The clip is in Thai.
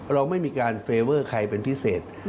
เราไม่มีการช่วยใครเป็นพิเศษ